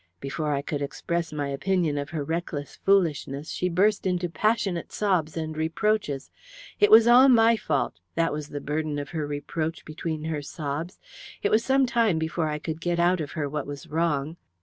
Before I could express my opinion of her reckless foolishness she burst into passionate sobs and reproaches. It was all my fault that was the burden of her reproach between her sobs. It was some time before I could get out of her what was wrong.